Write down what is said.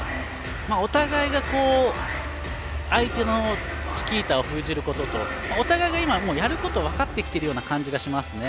お互いが相手のチキータを封じることとお互いがやることが分かってきているような感じがしますね。